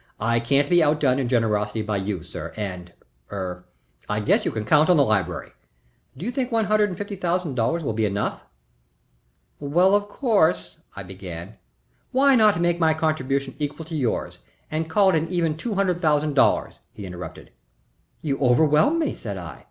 I can't be outdone in generosity by you, sir, and er I guess you can count on the library. Do you think one hundred and fifty thousand dollars will be enough?" "Well, of course " I began. "Why not make my contribution equal to yours and call it an even two hundred thousand dollars?" he interrupted. "You overwhelm me," said I.